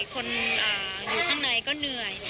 คนอยู่ข้างในก็เหนื่อย